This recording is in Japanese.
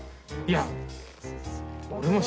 いや。